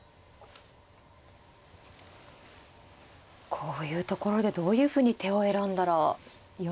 こういうところでどういうふうに手を選んだらよいのでしょうか。